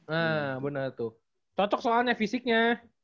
haa bener tuh cocok soalnya fisiknya